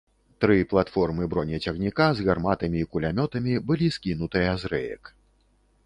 Тры платформы бронецягніка, з гарматамі і кулямётамі, былі скінутыя з рэек.